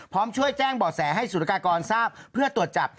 พร้อมช่วยแจ้งบ่อแสให้สุรกากรทราบเพื่อตรวจจับ